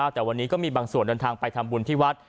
แต่วันนี้ก็มีบางส่วนเดินทางไปทำบุญที่วัด